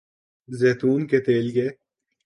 زیتون کے تیل کے